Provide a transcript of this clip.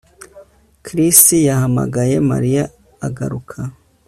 Chris yahamagaye Mariya agaruka